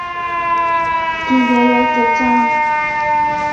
Kigeyai chechang